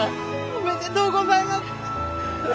おめでとうございます！